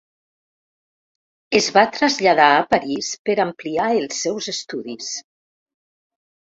Es va traslladar a París per ampliar els seus estudis.